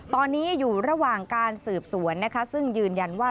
ตอนนี้อยู่ระหว่างการสืบสวนนะคะซึ่งยืนยันว่า